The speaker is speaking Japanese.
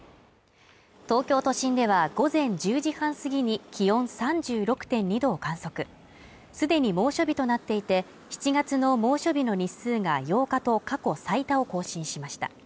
東京都心では午前１０時半過ぎに気温３６．２度を観測すでに猛暑日となっていて７月の猛暑日の日数が８日と過去最多を更新しました